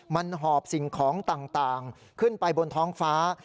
มันหอบสิ่งของต่างขึ้นไปบนท้องฟ้า